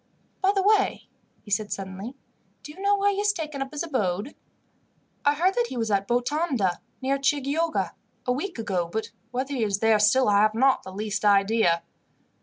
"By the way," he said suddenly, "do you know where he has taken up his abode?" "I heard that he was at Botonda, near Chioggia, a week ago, but whether he is there still I have not the least idea."